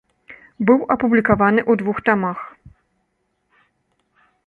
Быў апублікаваны ў двух тамах.